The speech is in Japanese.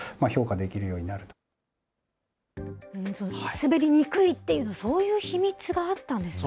滑りにくいっていうのは、そういう秘密があったんですね。